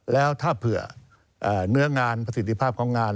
แล้วถ้าเผื่อเนื้องานประสิทธิภาพของงาน